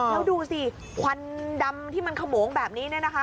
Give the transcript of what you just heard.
แล้วดูสิควันดำที่มันขมงแบบนี้